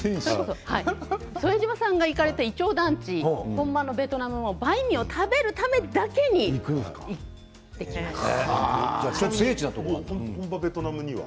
副島さんが行かれたいちょう団地本場のベトナムのバインミーを食べるためだけに行ってきました。